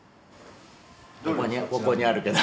ここにここにあるけど。